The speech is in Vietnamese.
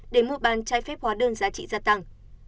để mua bàn trái phép hóa đơn giá trị gia tăng